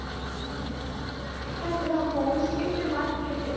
まあレタスはもう生い茂ってますけれど。